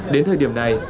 đến thời điểm này